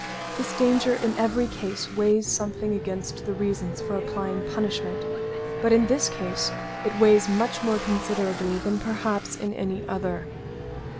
This danger in every case weighs something against the reasons for applying punishment, but in this case it weighs much more considerably than perhaps in any other.